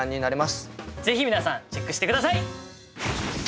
ぜひ皆さんチェックして下さい！